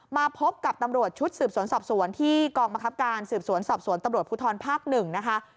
มาพบกับตำรวจชุดสืบสวนสอบสวนที่กองบังคับการสืบสวนสอบสวนตำรวจภูทรภาค๑นะคะ